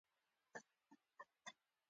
د علي احمد کهزاد د غربت کیسه څوک اورېدای شي.